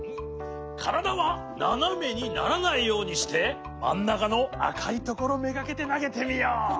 からだはななめにならないようにしてまんなかのあかいところめがけてなげてみよう。